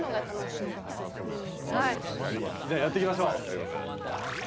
やりましょう。